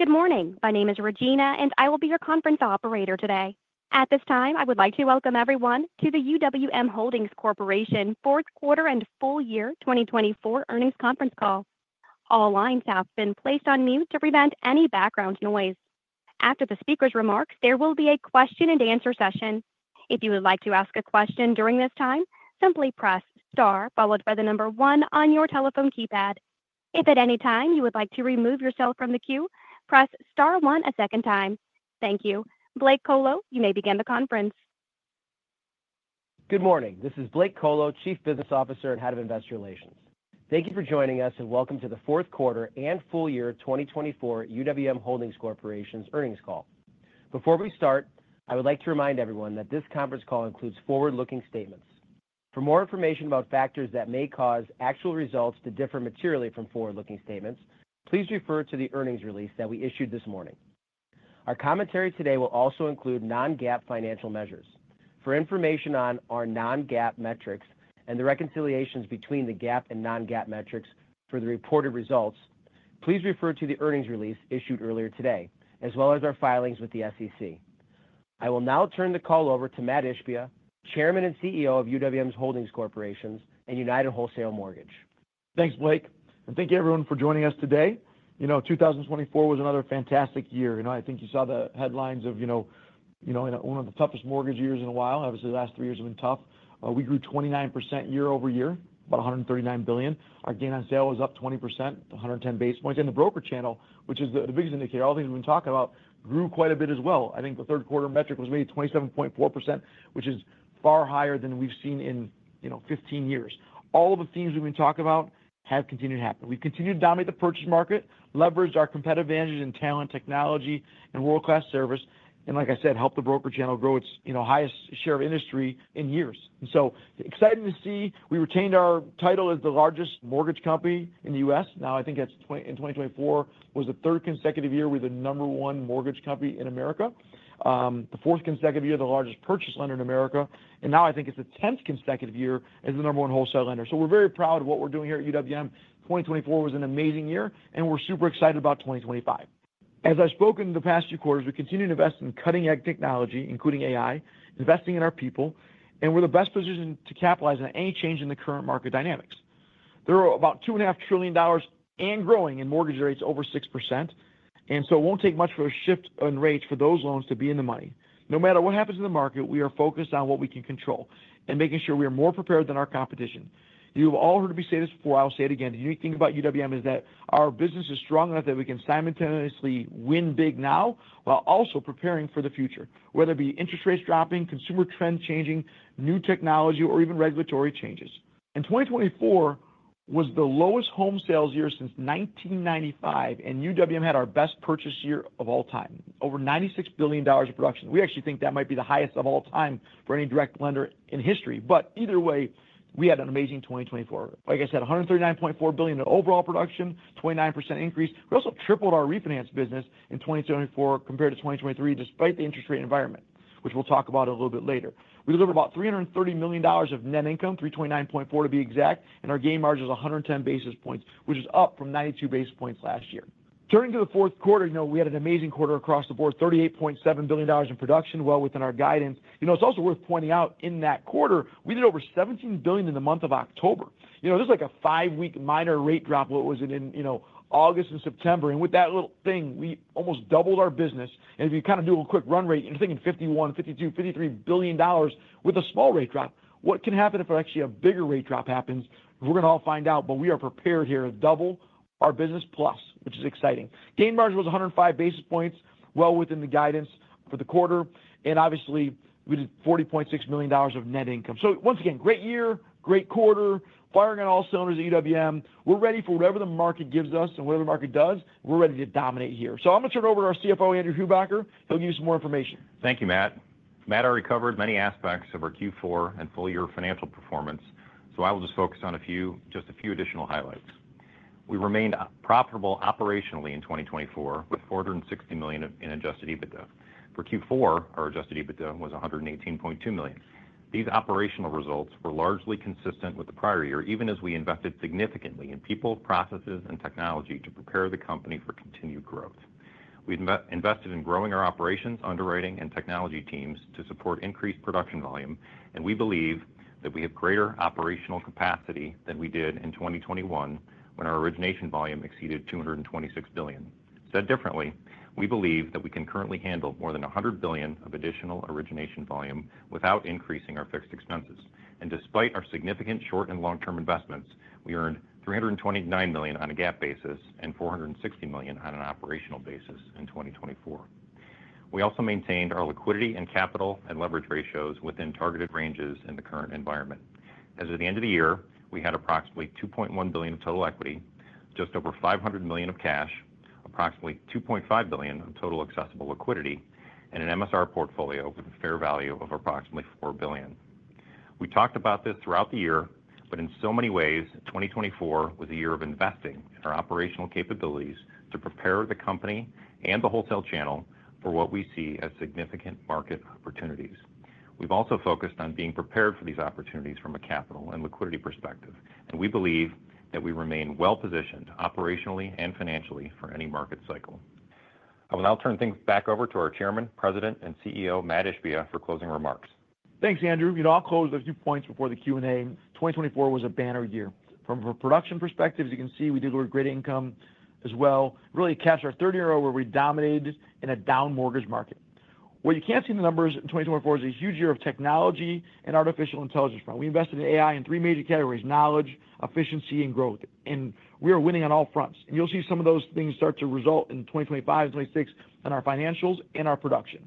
Good morning. My name is Regina, and I will be your conference operator today. At this time, I would like to welcome everyone to the UWM Holdings Corporation Fourth Quarter and Full Year 2024 Earnings Conference Call. All lines have been placed on mute to prevent any background noise. After the speaker's remarks, there will be a question-and-answer session. If you would like to ask a question during this time, simply press star followed by the number one on your telephone keypad. If at any time you would like to remove yourself from the queue, press star one a second time. Thank you. Blake Kolo, you may begin the conference. Good morning. This is Blake Kolo, Chief Business Officer and Head of Investor Relations. Thank you for joining us, and welcome to the Fourth Quarter and Full Year 2024 UWM Holdings Corporation's Earnings Call. Before we start, I would like to remind everyone that this conference call includes forward-looking statements. For more information about factors that may cause actual results to differ materially from forward-looking statements, please refer to the earnings release that we issued this morning. Our commentary today will also include non-GAAP financial measures. For information on our non-GAAP metrics and the reconciliations between the GAAP and non-GAAP metrics for the reported results, please refer to the earnings release issued earlier today, as well as our filings with the SEC. I will now turn the call over to Mat Ishbia, Chairman and CEO of UWM Holdings Corporation and United Wholesale Mortgage. Thanks, Blake. And thank you, everyone, for joining us today. You know, 2024 was another fantastic year. You know, I think you saw the headlines of, you know, you know, one of the toughest mortgage years in a while. Obviously, the last three years have been tough. We grew 29% year-over-year, about $139 billion. Our gain on sale was up 20%, 110 basis points. And the broker channel, which is the biggest indicator, all things we've been talking about, grew quite a bit as well. I think the third quarter metric was maybe 27.4%, which is far higher than we've seen in, you know, 15 years. All of the themes we've been talking about have continued to happen. We've continued to dominate the purchase market, leveraged our competitive advantages in talent, technology, and world-class service. And like I said, helped the broker channel grow its, you know, highest share of industry in years. And so exciting to see we retained our title as the largest mortgage company in the U.S. Now, I think in 2024 was the third consecutive year we were the number one mortgage company in America, the fourth consecutive year the largest purchase lender in America. And now I think it's the tenth consecutive year as the number one wholesale lender. So we're very proud of what we're doing here at UWM. 2024 was an amazing year, and we're super excited about 2025. As I've spoken in the past few quarters, we continue to invest in cutting-edge technology, including AI, investing in our people, and we're in the best position to capitalize on any change in the current market dynamics. There are about $2.5 trillion and growing in mortgage rates over 6%. And so it won't take much for a shift in rates for those loans to be in the money. No matter what happens in the market, we are focused on what we can control and making sure we are more prepared than our competition. You've all heard me say this before. I'll say it again. The unique thing about UWM is that our business is strong enough that we can simultaneously win big now while also preparing for the future, whether it be interest rates dropping, consumer trends changing, new technology, or even regulatory changes. And 2024 was the lowest home sales year since 1995, and UWM had our best purchase year of all time, over $96 billion of production. We actually think that might be the highest of all time for any direct lender in history. But either way, we had an amazing 2024. Like I said, $139.4 billion in overall production, a 29% increase. We also tripled our refinance business in 2024 compared to 2023, despite the interest rate environment, which we'll talk about a little bit later. We delivered about $330 million of net income, $329.4 million to be exact, and our gain margin is 110 basis points, which is up from 92 basis points last year. Turning to the fourth quarter, you know, we had an amazing quarter across the board, $38.7 billion in production, well within our guidance. You know, it's also worth pointing out in that quarter, we did over $17 billion in the month of October. You know, this is like a five-week minor rate drop that was in, you know, August and September. And with that little thing, we almost doubled our business. And if you kind of do a quick run rate, you're thinking $51 billion, $52 billion, $53 billion with a small rate drop. What can happen if actually a bigger rate drop happens? We're going to all find out, but we are prepared here to double our business plus, which is exciting. Gain margin was 105 basis points, well within the guidance for the quarter. And obviously, we did $40.6 million of net income. So once again, great year, great quarter. Firing on all cylinders at UWM. We're ready for whatever the market gives us and whatever the market does. We're ready to dominate here. So I'm going to turn it over to our CFO, Andrew Hubacker. He'll give you some more information. Thank you, Mat. Mat already covered many aspects of our Q4 and full-year financial performance, so I will just focus on a few, just a few additional highlights. We remained profitable operationally in 2024 with $460 million in Adjusted EBITDA. For Q4, our Adjusted EBITDA was $118.2 million. These operational results were largely consistent with the prior year, even as we invested significantly in people, processes, and technology to prepare the company for continued growth. We invested in growing our operations, underwriting, and technology teams to support increased production volume, and we believe that we have greater operational capacity than we did in 2021 when our origination volume exceeded $226 billion. Said differently, we believe that we can currently handle more than $100 billion of additional origination volume without increasing our fixed expenses. Despite our significant short and long-term investments, we earned $329 million on a GAAP basis and $460 million on an operational basis in 2024. We also maintained our liquidity and capital and leverage ratios within targeted ranges in the current environment. As of the end of the year, we had approximately $2.1 billion of total equity, just over $500 million of cash, approximately $2.5 billion of total accessible liquidity, and an MSR portfolio with a fair value of approximately $4 billion. We talked about this throughout the year, but in so many ways, 2024 was a year of investing in our operational capabilities to prepare the company and the wholesale channel for what we see as significant market opportunities. We've also focused on being prepared for these opportunities from a capital and liquidity perspective, and we believe that we remain well-positioned operationally and financially for any market cycle. I will now turn things back over to our Chairman, President, and CEO, Mat Ishbia, for closing remarks. Thanks, Andrew. You know, I'll close with a few points before the Q&A. 2024 was a banner year. From a production perspective, as you can see, we delivered great income as well. Really caps our third year where we dominated in a down mortgage market. What you can't see in the numbers in 2024 is a huge year of technology and artificial intelligence front. We invested in AI in three major categories: knowledge, efficiency, and growth. And we are winning on all fronts. And you'll see some of those things start to result in 2025 and 2026 on our financials and our production.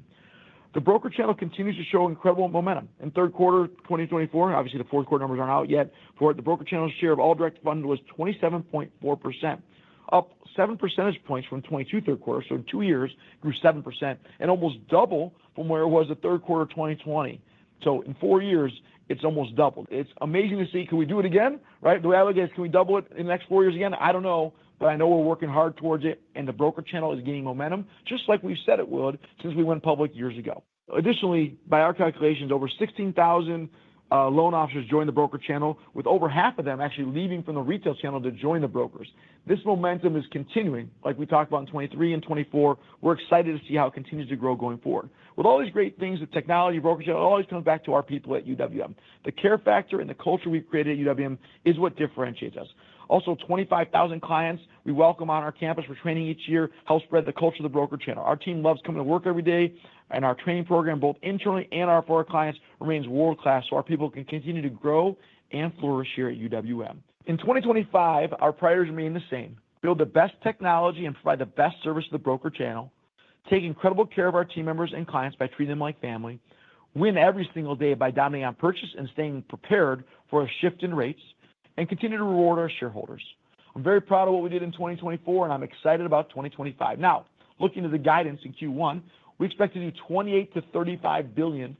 The broker channel continues to show incredible momentum. In third quarter 2024, obviously the fourth quarter numbers aren't out yet, but the broker channel's share of all direct funded was 27.4%, up 7 percentage points from 2022 third quarter. So in two years, it grew 7% and almost doubled from where it was the third quarter of 2020. So in four years, it's almost doubled. It's amazing to see. Can we do it again? Right? The way I look at it is, can we double it in the next four years again? I don't know, but I know we're working hard towards it, and the broker channel is gaining momentum, just like we said it would since we went public years ago. Additionally, by our calculations, over 16,000 loan officers joined the broker channel, with over half of them actually leaving from the retail channel to join the brokers. This momentum is continuing, like we talked about in 2023 and 2024. We're excited to see how it continues to grow going forward. With all these great things, the technology, broker channel, it always comes back to our people at UWM. The care factor and the culture we've created at UWM is what differentiates us. Also, 25,000 clients we welcome on our campus for training each year helps spread the culture of the broker channel. Our team loves coming to work every day, and our training program, both internally and for our clients, remains world-class so our people can continue to grow and flourish here at UWM. In 2025, our priorities remain the same: build the best technology and provide the best service to the broker channel, take incredible care of our team members and clients by treating them like family, win every single day by dominating on purchase and staying prepared for a shift in rates, and continue to reward our shareholders. I'm very proud of what we did in 2024, and I'm excited about 2025. Now, looking to the guidance in Q1, we expect to do $28-35 billion.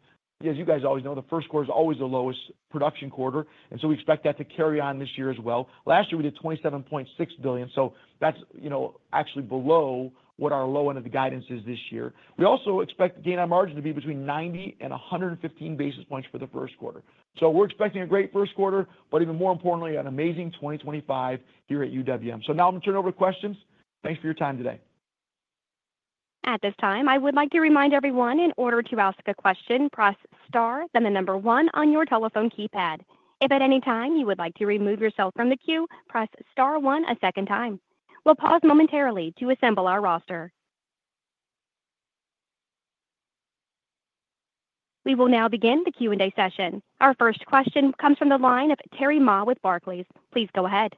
As you guys always know, the first quarter is always the lowest production quarter, and so we expect that to carry on this year as well. Last year, we did $27.6 billion, so that's, you know, actually below what our low end of the guidance is this year. We also expect gain on margin to be between 90 and 115 basis points for the first quarter. So we're expecting a great first quarter, but even more importantly, an amazing 2025 here at UWM. So now I'm going to turn it over to questions. Thanks for your time today. At this time, I would like to remind everyone in order to ask a question, press star then the number one on your telephone keypad. If at any time you would like to remove yourself from the queue, press star one a second time. We'll pause momentarily to assemble our roster. We will now begin the Q&A session. Our first question comes from the line of Terry Ma with Barclays. Please go ahead.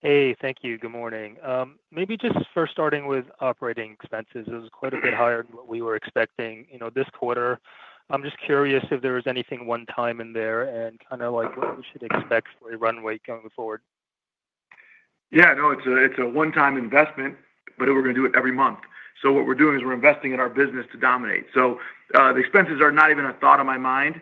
Hey, thank you. Good morning. Maybe just first starting with operating expenses. It was quite a bit higher than what we were expecting, you know, this quarter. I'm just curious if there was anything one-time in there and kind of like what we should expect for a runway going forward. Yeah, no, it's a one-time investment, but we're going to do it every month. So what we're doing is we're investing in our business to dominate. So the expenses are not even a thought on my mind.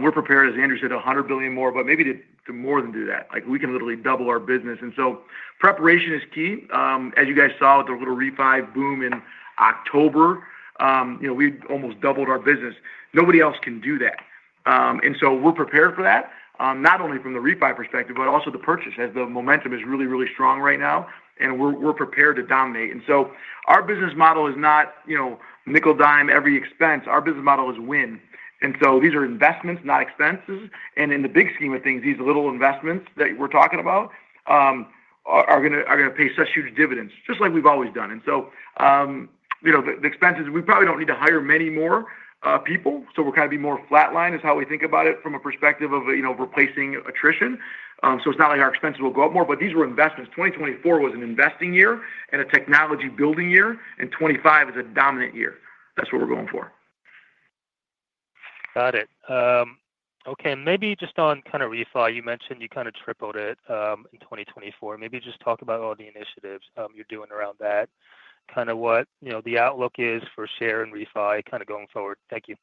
We're prepared, as Andrew said, $100 billion more, but maybe to more than do that. Like we can literally double our business. And so preparation is key. As you guys saw with the little refi boom in October, you know, we almost doubled our business. Nobody else can do that. And so we're prepared for that, not only from the refi perspective, but also the purchase as the momentum is really, really strong right now. And we're prepared to dominate. And so our business model is not, you know, nickel dime every expense. Our business model is win. And so these are investments, not expenses. In the big scheme of things, these little investments that we're talking about are going to pay such huge dividends, just like we've always done. You know, the expenses, we probably don't need to hire many more people. We're kind of be more flatline is how we think about it from a perspective of, you know, replacing attrition. It's not like our expenses will go up more, but these were investments. 2024 was an investing year and a technology building year, and 2025 is a dominant year. That's what we're going for. Got it. Okay, and maybe just on kind of refi, you mentioned you kind of tripled it in 2024. Maybe just talk about all the initiatives you're doing around that, kind of what, you know, the outlook is for share and refi kind of going forward. Thank you.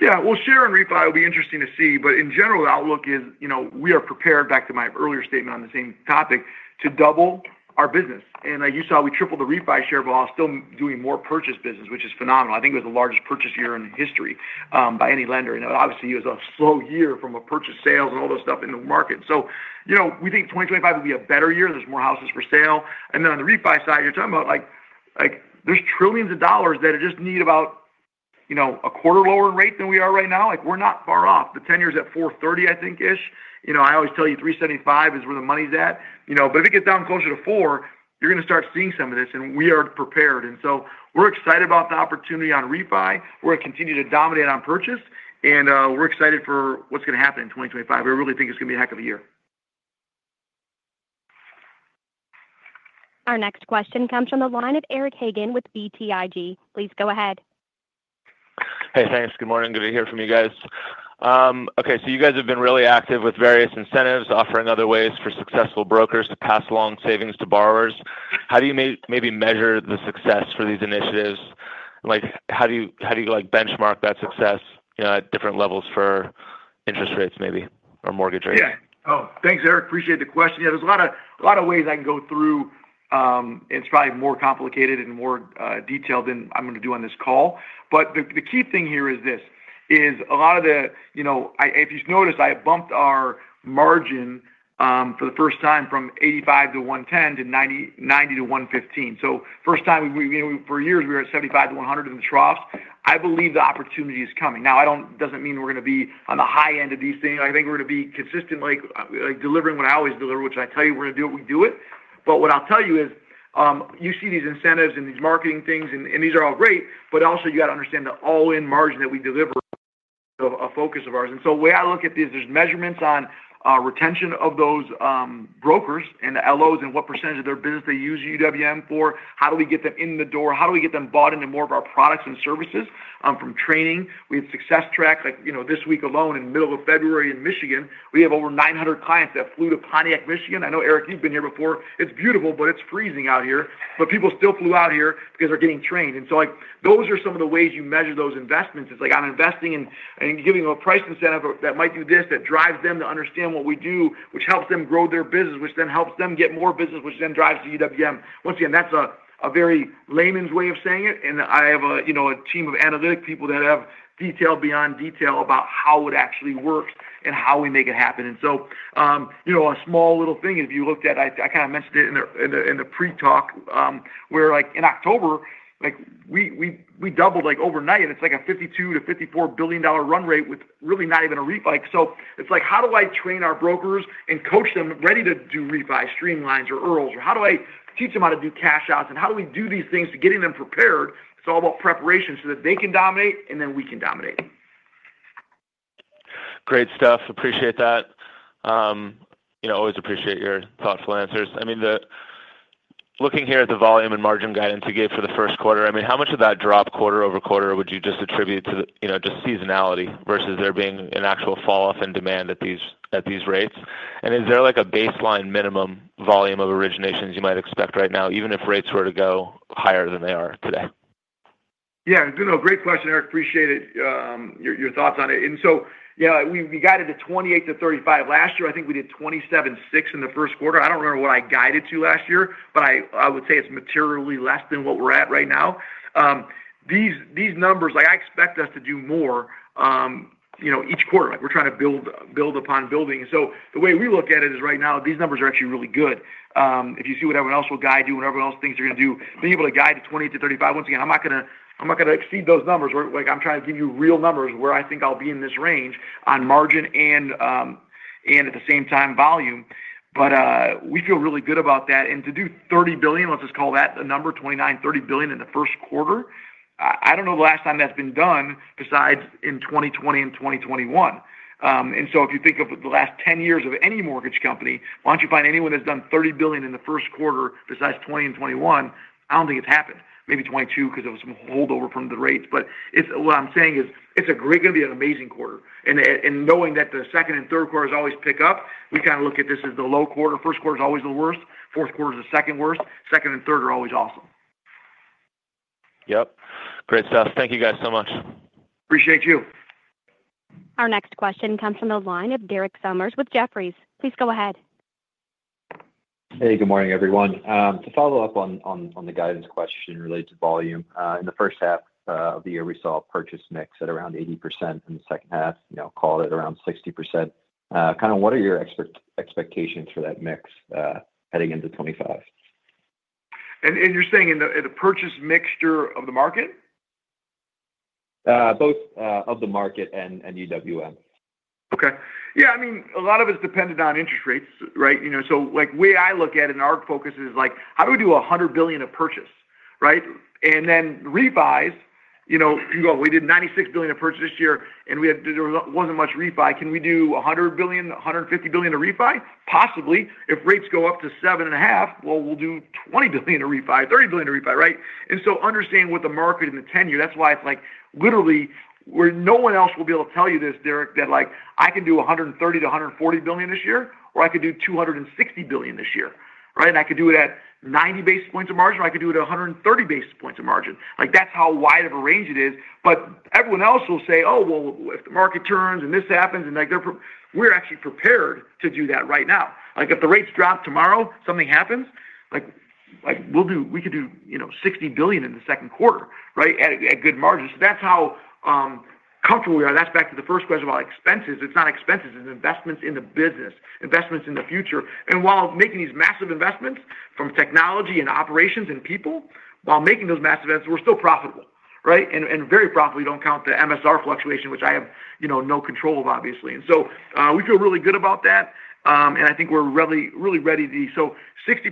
Yeah. Well, share and refi will be interesting to see. But in general, the outlook is, you know, we are prepared, back to my earlier statement on the same topic, to double our business. And like you saw, we tripled the refi share, but while still doing more purchase business, which is phenomenal. I think it was the largest purchase year in history by any lender. And obviously, it was a slow year from a purchase sales and all those stuff in the market. So, you know, we think 2025 will be a better year. There's more houses for sale. And then on the refi side, you're talking about like, like there's trillions of dollars that just need about, you know, a quarter lower in rate than we are right now. Like we're not far off. The 10-year is at 4.30%, I think, ish. You know, I always tell you 3.75% is where the money's at. You know, but if it gets down closer to 4%, you're going to start seeing some of this, and we are prepared. And so we're excited about the opportunity on refi. We're going to continue to dominate on purchase, and we're excited for what's going to happen in 2025. I really think it's going to be a heck of a year. Our next question comes from the line of Eric Hagen with BTIG. Please go ahead. Hey, thanks. Good morning. Good to hear from you guys. Okay. So you guys have been really active with various incentives, offering other ways for successful brokers to pass along savings to borrowers. How do you maybe measure the success for these initiatives? Like how do you like benchmark that success, you know, at different levels for interest rates maybe or mortgage rates? Yeah. Oh, thanks, Eric. Appreciate the question. Yeah, there's a lot of, a lot of ways I can go through, and it's probably more complicated and more detailed than I'm going to do on this call. But the key thing here is this: a lot of the, you know, if you've noticed, I bumped our margin for the first time from 85-110 to 90-115. So first time, you know, for years, we were at 75-100 in the troughs. I believe the opportunity is coming. Now, I don't, doesn't mean we're going to be on the high end of these things. I think we're going to be consistently delivering what I always deliver, which I tell you, we're going to do it, we do it. But what I'll tell you is you see these incentives and these marketing things, and these are all great, but also you got to understand the all-in margin that we deliver is a focus of ours. And so the way I look at this, there's measurements on retention of those brokers and the LOs and what percentage of their business they use UWM for. How do we get them in the door? How do we get them bought into more of our products and services? From training, we had Success Track, like, you know, this week alone in the middle of February in Michigan, we have over 900 clients that flew to Pontiac, Michigan. I know, Eric, you've been here before. It's beautiful, but it's freezing out here. But people still flew out here because they're getting trained. And so like those are some of the ways you measure those investments. It's like I'm investing in giving them a price incentive that might do this, that drives them to understand what we do, which helps them grow their business, which then helps them get more business, which then drives the UWM. Once again, that's a very layman's way of saying it. And I have a, you know, a team of analytical people that have detail beyond detail about how it actually works and how we make it happen. And so, you know, a small little thing is if you looked at, I kind of mentioned it in the pre-talk, where like in October, like we doubled like overnight. It's like a $52-54 billion run rate with really not even a refi. So it's like, how do I train our brokers and coach them ready to do refi streamlines or IRRRLs? Or how do I teach them how to do cash outs? And how do we do these things to get them prepared? It's all about preparation so that they can dominate and then we can dominate. Great stuff. Appreciate that. You know, always appreciate your thoughtful answers. I mean, looking here at the volume and margin guidance you gave for the first quarter, I mean, how much of that drop quarter over quarter would you just attribute to the, you know, just seasonality versus there being an actual falloff in demand at these rates? And is there like a baseline minimum volume of originations you might expect right now, even if rates were to go higher than they are today? Yeah. No, great question, Eric. Appreciate your thoughts on it. And so, yeah, we guided to $28-35 billion last year. I think we did $27.6 billion in the first quarter. I don't remember what I guided to last year, but I would say it's materially less than what we're at right now. These numbers, like I expect us to do more, you know, each quarter. Like we're trying to build upon building. And so the way we look at it is right now, these numbers are actually really good. If you see what everyone else will guide you and what everyone else thinks you're going to do, being able to guide to $28-35 billion, once again, I'm not going to exceed those numbers. Like I'm trying to give you real numbers where I think I'll be in this range on margin and at the same time volume. But we feel really good about that. And to do $30 billion, let's just call that the number, $29-30 billion in the first quarter, I don't know the last time that's been done besides in 2020 and 2021. And so if you think of the last 10 years of any mortgage company, why don't you find anyone that's done $30 billion in the first quarter besides 2020 and 2021? I don't think it's happened. Maybe 2022 because of some holdover from the rates. But what I'm saying is it's a great, going to be an amazing quarter. And knowing that the second and third quarters always pick up, we kind of look at this as the low quarter. First quarter is always the worst. Fourth quarter is the second worst. Second and third are always awesome. Yep. Great stuff. Thank you guys so much. Appreciate you. Our next question comes from the line of Derek Sommers with Jefferies. Please go ahead. Hey, good morning, everyone. To follow up on the guidance question related to volume, in the first half of the year, we saw a purchase mix at around 80%. In the second half, you know, call it around 60%. Kind of what are your expectations for that mix heading into 2025? And you're saying in the purchase mix of the market? Both of the market and UWM. Okay. Yeah. I mean, a lot of it's dependent on interest rates, right? You know, so like the way I look at it and our focus is like, how do we do $100 billion of purchase, right? And then refis, you know, you go, we did $96 billion of purchase this year and there wasn't much refi. Can we do $100 billion, $150 billion of refi? Possibly. If rates go up to 7.5%, well, we'll do $20 billion of refi, $30 billion of refi, right? And so understand what the market in the 10 year, that's why it's like literally where no one else will be able to tell you this, Derek, that like I can do $130-140 billion this year or I could do $260 billion this year, right? I could do it at 90 basis points of margin or I could do it at 130 basis points of margin. Like that's how wide of a range it is. But everyone else will say, oh, well, if the market turns and this happens, and like we're actually prepared to do that right now. Like if the rates drop tomorrow, something happens, like we'll do, we could do, you know, $60 billion in the second quarter, right, at good margins. So that's how comfortable we are. That's back to the first question about expenses. It's not expenses, it's investments in the business, investments in the future. And while making these massive investments from technology and operations and people, while making those massive investments, we're still profitable, right? And very profitable, you don't count the MSR fluctuation, which I have, you know, no control of, obviously. And so we feel really good about that. And I think we're really ready to be. So 60%,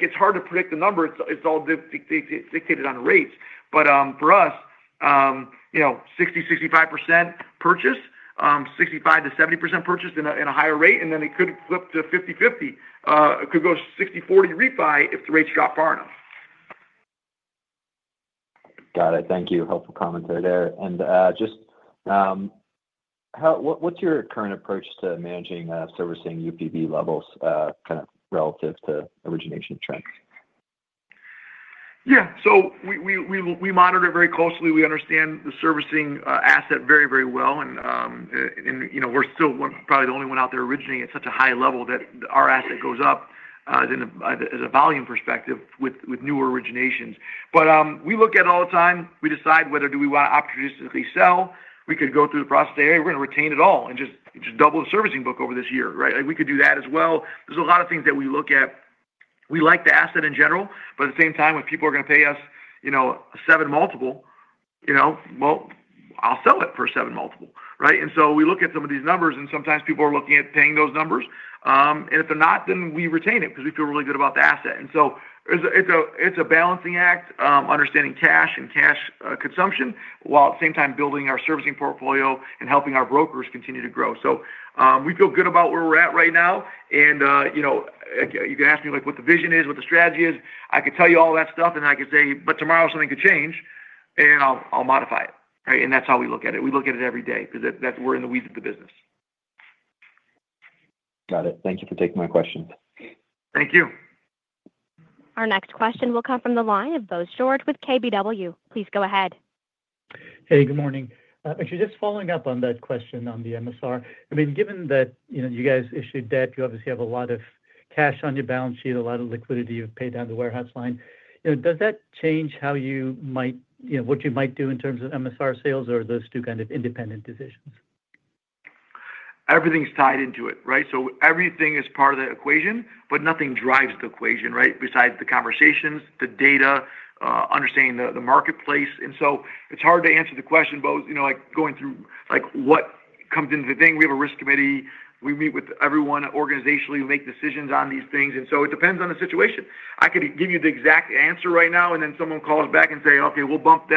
it's hard to predict the number. It's all dictated on rates. But for us, you know, 60%-65% purchase, 65%-70% purchase in a higher rate. And then it could flip to 50/50. It could go 60/40 refi if the rates drop far enough. Got it. Thank you. Helpful commentary there, and just what's your current approach to managing servicing UPB levels kind of relative to origination trends? Yeah, so we monitor very closely. We understand the servicing asset very, very well, and you know, we're still probably the only one out there originating at such a high level that our asset goes up as a volume perspective with new originations, but we look at it all the time. We decide whether do we want to opportunistically sell. We could go through the process and say, hey, we're going to retain it all and just double the servicing book over this year, right? Like we could do that as well. There's a lot of things that we look at. We like the asset in general, but at the same time, if people are going to pay us, you know, a seven multiple, you know, well, I'll sell it for a seven multiple, right? And so we look at some of these numbers and sometimes people are looking at paying those numbers. And if they're not, then we retain it because we feel really good about the asset. And so it's a balancing act, understanding cash and cash consumption while at the same time building our servicing portfolio and helping our brokers continue to grow. So we feel good about where we're at right now. And you know, you can ask me like what the vision is, what the strategy is. I could tell you all that stuff and I could say, but tomorrow something could change and I'll modify it, right? And that's how we look at it. We look at it every day because we're in the weeds of the business. Got it. Thank you for taking my questions. Thank you. Our next question will come from the line of Bose George with KBW. Please go ahead. Hey, good morning. Actually, just following up on that question on the MSR. I mean, given that you know, you guys issued debt, you obviously have a lot of cash on your balance sheet, a lot of liquidity. You've paid down the warehouse line. You know, does that change how you might, you know, what you might do in terms of MSR sales or are those two kind of independent decisions? Everything's tied into it, right, so everything is part of the equation, but nothing drives the equation, right, besides the conversations, the data, understanding the marketplace, and so it's hard to answer the question, you know, like going through like what comes into the thing. We have a risk committee. We meet with everyone organizationally. We make decisions on these things, and so it depends on the situation. I could give you the exact answer right now and then someone calls back and say, okay, we'll bump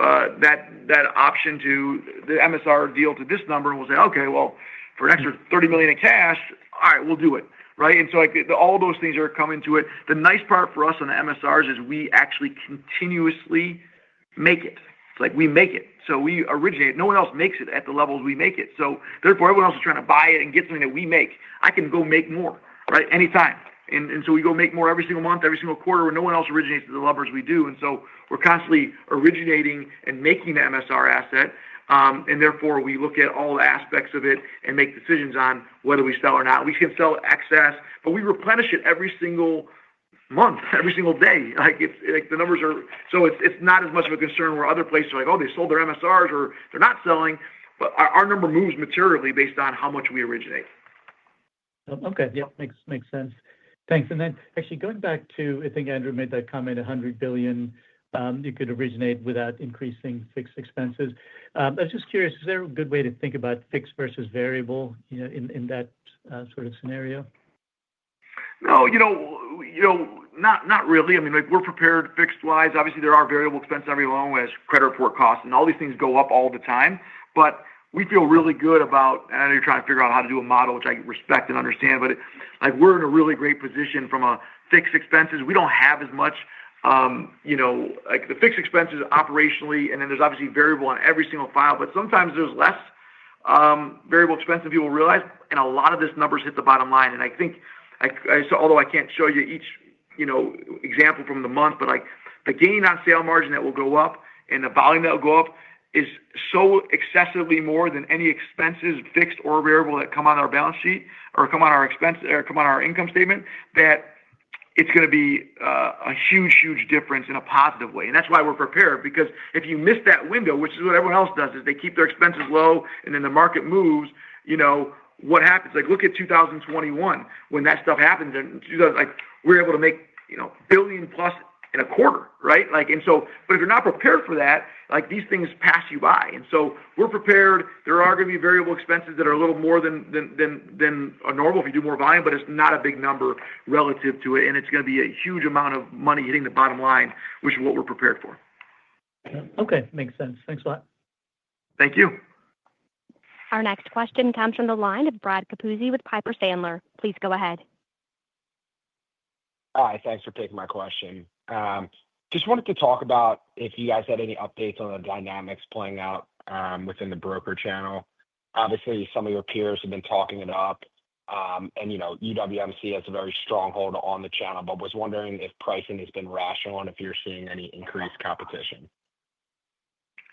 that option to the MSR deal to this number and we'll say, okay, well, for an extra $30 million in cash, all right, we'll do it, right, and so all those things are coming to it. The nice part for us on the MSRs is we actually continuously make it. It's like we make it, so we originate. No one else makes it at the levels we make it. So therefore, everyone else is trying to buy it and get something that we make. I can go make more, right, anytime. And so we go make more every single month, every single quarter, and no one else originates at the levels we do. And so we're constantly originating and making the MSR asset. And therefore, we look at all aspects of it and make decisions on whether we sell or not. We can sell excess, but we replenish it every single month, every single day. Like the numbers are, so it's not as much of a concern where other places are like, oh, they sold their MSRs or they're not selling, but our number moves materially based on how much we originate. Okay. Yeah. Makes sense. Thanks. And then actually going back to, I think Andrew made that comment, $100 billion you could originate without increasing fixed expenses. I was just curious, is there a good way to think about fixed versus variable, you know, in that sort of scenario? No, you know, you know, not really. I mean, like we're prepared fixed-wise. Obviously, there are variable expenses all along the way as credit report costs and all these things go up all the time. But we feel really good about, I know you're trying to figure out how to do a model, which I respect and understand, but like we're in a really great position from a fixed expenses. We don't have as much, you know, like the fixed expenses operationally, and then there's obviously variable on every single file, but sometimes there's less variable expense than people realize. And a lot of this numbers hit the bottom line. And I think, although I can't show you each, you know, example from the month, but like the gain on sale margin that will go up and the volume that will go up is so excessively more than any expenses, fixed or variable, that come on our balance sheet or come on our expense or come on our income statement that it's going to be a huge, huge difference in a positive way. And that's why we're prepared because if you miss that window, which is what everyone else does, is they keep their expenses low and then the market moves, you know, what happens? Like look at 2021 when that stuff happens. And like we're able to make, you know, $1 billion plus in a quarter, right? Like and so, but if you're not prepared for that, like these things pass you by. And so we're prepared. There are going to be variable expenses that are a little more than normal if you do more volume, but it's not a big number relative to it, and it's going to be a huge amount of money hitting the bottom line, which is what we're prepared for. Okay. Makes sense. Thanks a lot. Thank you. Our next question comes from the line of Brad Capuzzi with Piper Sandler. Please go ahead. Hi. Thanks for taking my question. Just wanted to talk about if you guys had any updates on the dynamics playing out within the broker channel. Obviously, some of your peers have been talking it up and, you know, UWMC has a very strong hold on the channel, but was wondering if pricing has been rational and if you're seeing any increased competition.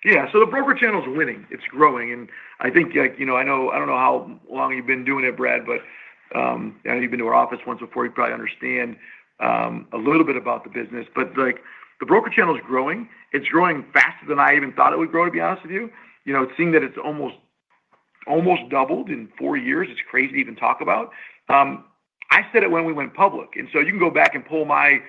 Yeah. So the broker channel is winning. It's growing. And I think, you know, I don't know how long you've been doing it, Brad, but I know you've been to our office once before. You probably understand a little bit about the business. But like the broker channel is growing. It's growing faster than I even thought it would grow, to be honest with you. You know, we've seen that it's almost doubled in four years. It's crazy to even talk about. I said it when we went public. And so you can go back and pull my,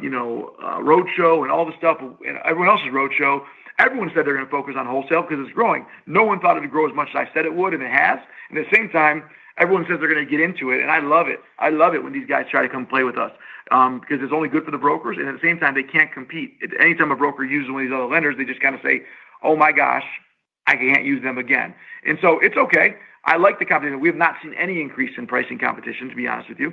you know, roadshow and all the stuff and everyone else's roadshow. Everyone said they're going to focus on wholesale because it's growing. No one thought it would grow as much as I said it would and it has. And at the same time, everyone says they're going to get into it. And I love it. I love it when these guys try to come play with us because it's only good for the brokers. And at the same time, they can't compete. Anytime a broker uses one of these other lenders, they just kind of say, oh my gosh, I can't use them again. And so it's okay. I like the company. We have not seen any increase in pricing competition, to be honest with you.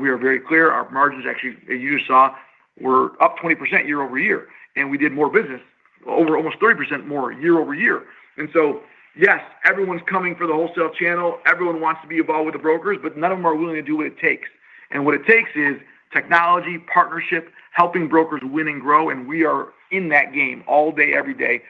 We are very clear. Our margins, actually, as you just saw, were up 20% year-over-year. And we did more business, over almost 30% more year-over-year. And so yes, everyone's coming for the wholesale channel. Everyone wants to be involved with the brokers, but none of them are willing to do what it takes. And what it takes is technology, partnership, helping brokers win and grow. And we are in that game all day, every day.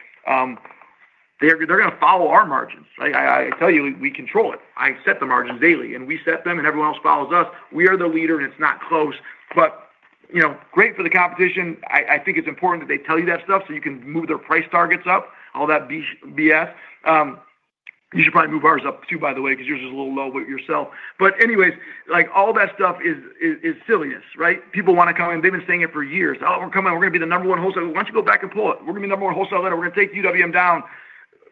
They're going to follow our margins, right? I tell you, we control it. I set the margins daily and we set them and everyone else follows us. We are the leader and it's not close. But, you know, great for the competition. I think it's important that they tell you that stuff so you can move their price targets up, all that BS. You should probably move ours up too, by the way, because yours is a little low yourself. But anyways, like all that stuff is silliness, right? People want to come in. They've been saying it for years. Oh, we're coming. We're going to be the number one wholesaler. Why don't you go back and pull it? We're going to be the number one wholesaler and we're going to take UWM down.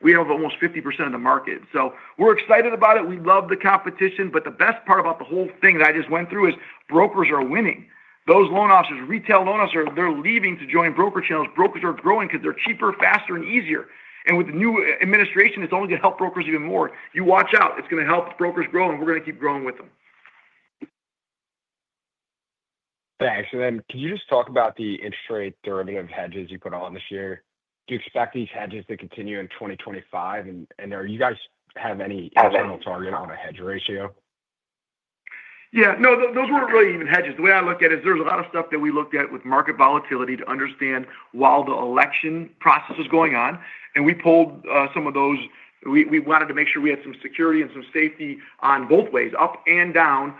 We have almost 50% of the market. So we're excited about it. We love the competition. But the best part about the whole thing that I just went through is brokers are winning. Those loan officers, retail loan officers, they're leaving to join broker channels. Brokers are growing because they're cheaper, faster, and easier. And with the new administration, it's only going to help brokers even more. You watch out. It's going to help brokers grow and we're going to keep growing with them. Thanks. And then can you just talk about the interest rate derivative hedges you put on this year? Do you expect these hedges to continue in 2025? And are you guys have any internal target on a hedge ratio? Yeah. No, those weren't really even hedges. The way I look at it is there's a lot of stuff that we looked at with market volatility to understand while the election process was going on. And we pulled some of those. We wanted to make sure we had some security and some safety on both ways, up and down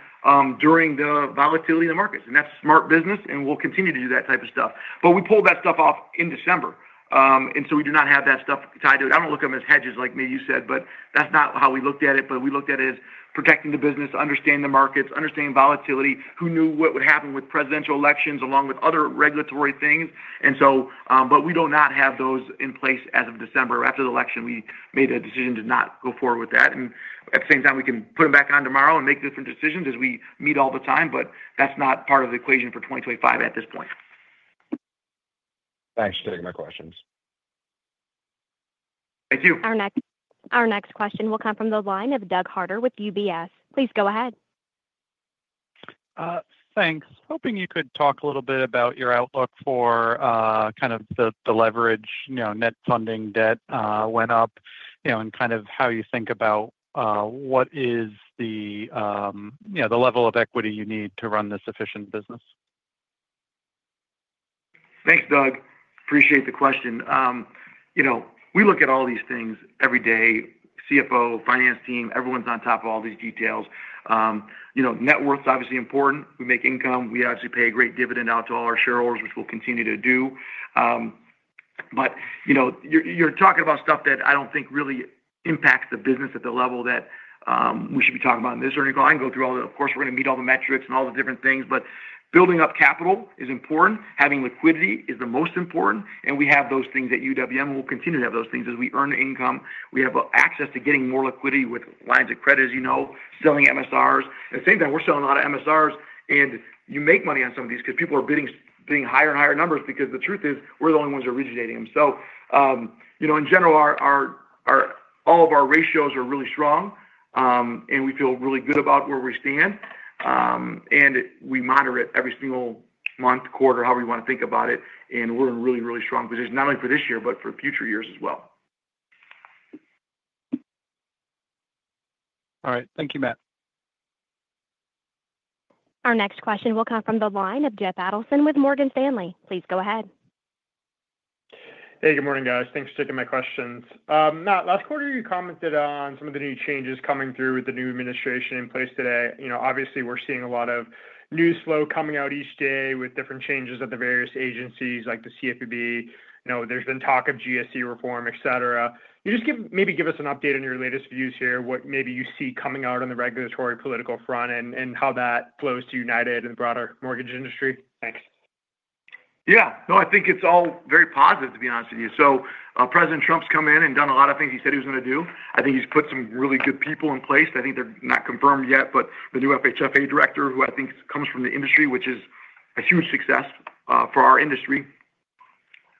during the volatility of the markets. And that's smart business and we'll continue to do that type of stuff. But we pulled that stuff off in December. And so we do not have that stuff tied to it. I don't look at them as hedges like maybe you said, but that's not how we looked at it. But we looked at it as protecting the business, understanding the markets, understanding volatility, who knew what would happen with presidential elections along with other regulatory things. And so, but we do not have those in place as of December. After the election, we made a decision to not go forward with that. And at the same time, we can put them back on tomorrow and make different decisions as we meet all the time, but that's not part of the equation for 2025 at this point. Thanks for taking my questions. Thank you. Our next question will come from the line of Doug Harter with UBS. Please go ahead. Thanks. Hoping you could talk a little bit about your outlook for kind of the leverage, you know, net funding debt went up, you know, and kind of how you think about what is the, you know, the level of equity you need to run this efficient business. Thanks, Doug. Appreciate the question. You know, we look at all these things every day. CFO, finance team, everyone's on top of all these details. You know, net worth is obviously important. We make income. We obviously pay a great dividend out to all our shareholders, which we'll continue to do. But, you know, you're talking about stuff that I don't think really impacts the business at the level that we should be talking about in this earnings call. I can go through all the, of course, we're going to meet all the metrics and all the different things, but building up capital is important. Having liquidity is the most important. And we have those things at UWM and we'll continue to have those things as we earn income. We have access to getting more liquidity with lines of credit, as you know, selling MSRs. At the same time, we're selling a lot of MSRs and you make money on some of these because people are bidding higher and higher numbers because the truth is we're the only ones originating them. So, you know, in general, all of our ratios are really strong and we feel really good about where we stand. And we monitor it every single month, quarter, however you want to think about it. And we're in really, really strong position, not only for this year, but for future years as well. All right. Thank you, Mat. Our next question will come from the line of Jeff Adelson with Morgan Stanley. Please go ahead. Hey, good morning, guys. Thanks for taking my questions. Mat, last quarter, you commented on some of the new changes coming through with the new administration in place today. You know, obviously, we're seeing a lot of news flow coming out each day with different changes at the various agencies like the CFPB. You know, there's been talk of GSE reform, et cetera. You just maybe give us an update on your latest views here, what maybe you see coming out on the regulatory political front and how that flows to United and the broader mortgage industry. Thanks. Yeah. No, I think it's all very positive, to be honest with you, so President Trump's come in and done a lot of things he said he was going to do. I think he's put some really good people in place. I think they're not confirmed yet, but the new FHFA director, who I think comes from the industry, which is a huge success for our industry,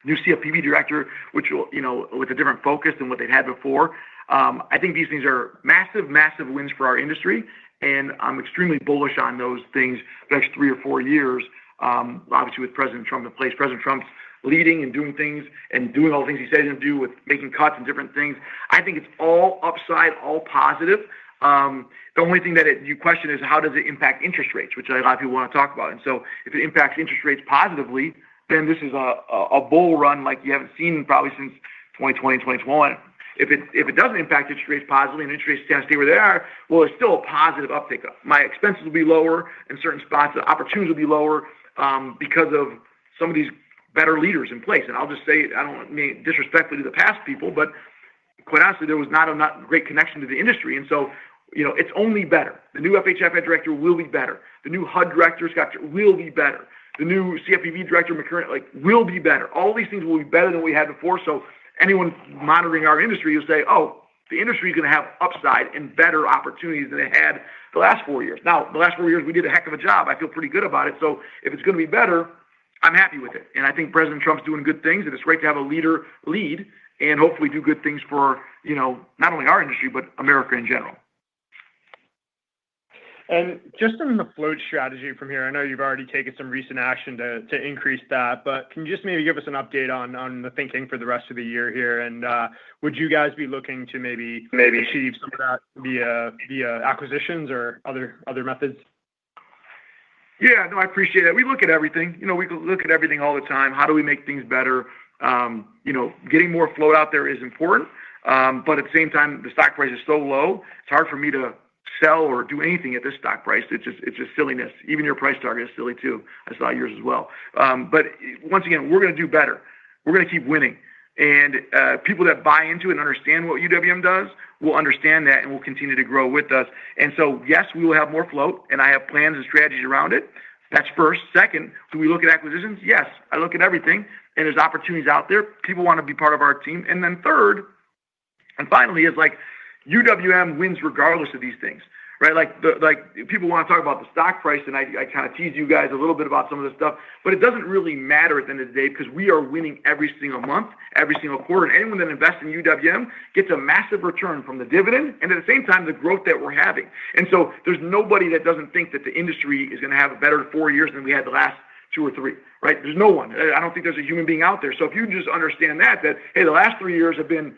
new CFPB director, which, you know, with a different focus than what they'd had before. I think these things are massive, massive wins for our industry, and I'm extremely bullish on those things for the next three or four years, obviously with President Trump in place. President Trump's leading and doing things and doing all the things he said he's going to do with making cuts and different things. I think it's all upside, all positive. The only thing that you question is how does it impact interest rates, which a lot of people want to talk about, and so if it impacts interest rates positively, then this is a bull run like you haven't seen probably since 2020 and 2021. If it doesn't impact interest rates positively and interest rates tend to stay where they are, well it's still a positive uptick. My expenses will be lower in certain spots. The opportunities will be lower because of some of these better leaders in place. And I'll just say, I don't mean disrespectfully to the past people, but quite honestly, there was not a great connection to the industry, and so, you know, it's only better. The new FHFA director will be better. The new HUD director will be better. The new CFPB director, like will be better. All these things will be better than what we had before. So anyone monitoring our industry will say, oh, the industry is going to have upside and better opportunities than it had the last four years. Now, the last four years, we did a heck of a job. I feel pretty good about it. So if it's going to be better, I'm happy with it. And I think President Trump's doing good things. And it's great to have a leader lead and hopefully do good things for, you know, not only our industry, but America in general. And just in the float strategy from here, I know you've already taken some recent action to increase that, but can you just maybe give us an update on the thinking for the rest of the year here? And would you guys be looking to maybe achieve some of that via acquisitions or other methods? Yeah. No, I appreciate it. We look at everything. You know, we look at everything all the time. How do we make things better? You know, getting more float out there is important. But at the same time, the stock price is so low, it's hard for me to sell or do anything at this stock price. It's just silliness. Even your price target is silly too. I saw yours as well. But once again, we're going to do better. We're going to keep winning. And people that buy into it and understand what UWM does will understand that and will continue to grow with us. And so yes, we will have more float and I have plans and strategies around it. That's first. Second, do we look at acquisitions? Yes. I look at everything and there's opportunities out there. People want to be part of our team. And then third, and finally, it's like UWM wins regardless of these things, right? Like people want to talk about the stock price and I kind of teased you guys a little bit about some of this stuff, but it doesn't really matter at the end of the day because we are winning every single month, every single quarter. And anyone that invests in UWM gets a massive return from the dividend and at the same time, the growth that we're having. And so there's nobody that doesn't think that the industry is going to have a better four years than we had the last two or three, right? There's no one. I don't think there's a human being out there. So if you just understand that, that, hey, the last three years have been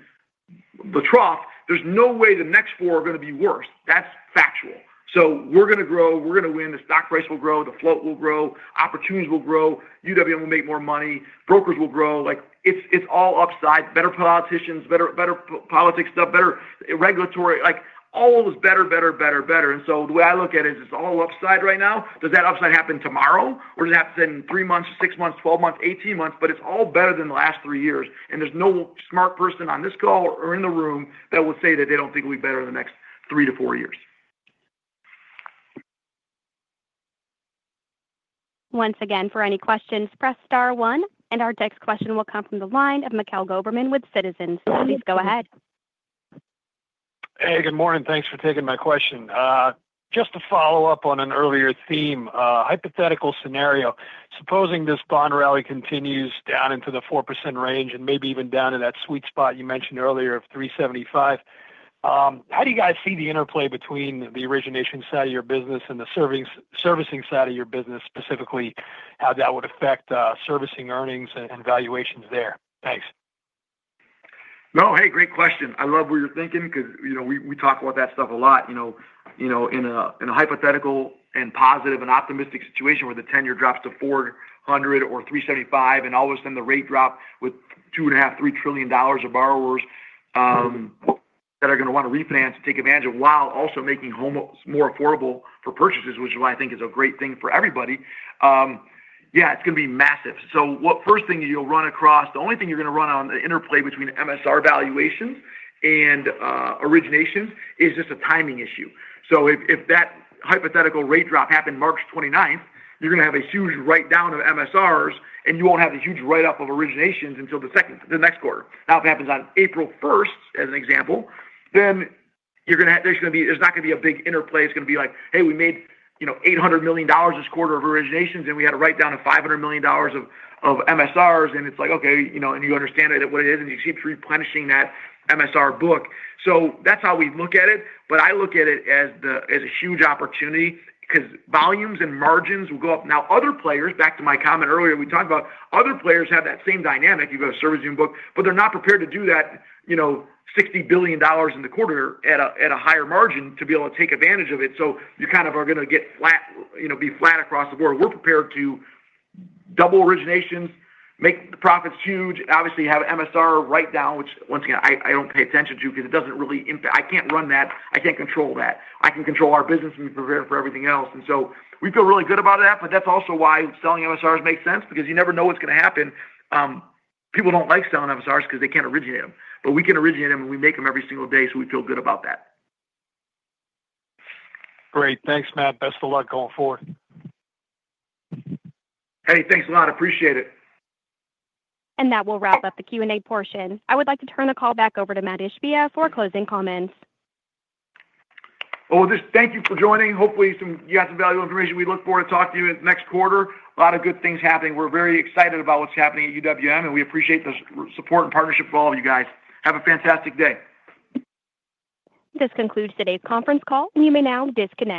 the trough, there's no way the next four are going to be worse. That's factual. So we're going to grow, we're going to win, the stock price will grow, the float will grow, opportunities will grow, UWM will make more money, brokers will grow. Like it's all upside, better politicians, better politics stuff, better regulatory, like all of it's better, better, better, better, and so the way I look at it is it's all upside right now. Does that upside happen tomorrow or does it happen in three months, six months, twelve months, eighteen months? But it's all better than the last three years, and there's no smart person on this call or in the room that will say that they don't think it'll be better in the next three to four years. Once again, for any questions, press star one. And our next question will come from the line of Mikhail Goberman with Citizens. Please go ahead. Hey, good morning. Thanks for taking my question. Just to follow up on an earlier theme, hypothetical scenario, supposing this bond rally continues down into the 4% range and maybe even down to that sweet spot you mentioned earlier of 3.75%. How do you guys see the interplay between the origination side of your business and the servicing side of your business, specifically how that would affect servicing earnings and valuations there? Thanks. No, hey, great question. I love what you're thinking because, you know, we talk about that stuff a lot. You know, in a hypothetical and positive and optimistic situation where the 10-year drops to 4.00% or 3.75% and all of a sudden the rates drop with $2.5-3 trillion of borrowers that are going to want to refinance and take advantage of while also making homes more affordable for purchases, which is why I think it's a great thing for everybody. Yeah, it's going to be massive. The first thing you'll run across, the only thing you're going to run into on the interplay between MSR valuations and originations is just a timing issue. If that hypothetical rate drop happened March 29th, you're going to have a huge write-down of MSRs and you won't have a huge write-up of originations until the next quarter. Now, if it happens on April 1st as an example, then there's going to be a big interplay. It's going to be like, hey, we made, you know, $800 million this quarter of originations and we had a write-down of $500 million of MSRs. And it's like, okay, you know, and you understand what it is and you keep replenishing that MSR book. So that's how we look at it. But I look at it as a huge opportunity because volumes and margins will go up. Now, other players, back to my comment earlier, we talked about other players have that same dynamic. You've got a servicing book, but they're not prepared to do that, you know, $60 billion in the quarter at a higher margin to be able to take advantage of it. So you kind of are going to get flat, you know, be flat across the board. We're prepared to double originations, make the profits huge, obviously have an MSR write-down, which once again, I don't pay attention to because it doesn't really impact. I can't run that. I can't control that. I can control our business and be prepared for everything else. And so we feel really good about that. But that's also why selling MSRs makes sense because you never know what's going to happen. People don't like selling MSRs because they can't originate them. But we can originate them and we make them every single day. So we feel good about that. Great. Thanks, Mat. Best of luck going forward. Hey, thanks a lot. Appreciate it. That will wrap up the Q&A portion. I would like to turn the call back over to Mat Ishbia for closing comments. Thank you for joining. Hopefully, you got some valuable information. We look forward to talking to you in the next quarter. A lot of good things happening. We're very excited about what's happening at UWM and we appreciate the support and partnership of all of you guys. Have a fantastic day. This concludes today's conference call. You may now disconnect.